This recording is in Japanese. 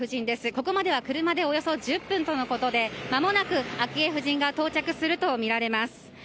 ここまでは車でおよそ１０分とのことでまもなく昭恵夫人が到着するとみられます。